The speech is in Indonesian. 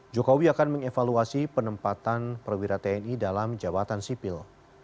jokowi akan mengevaluasi penempatan perwira tni dalam jabatan sipil